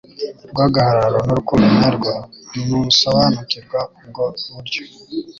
rw agahararo n urukundo nyarwo nusobanukirwa ubwo buryo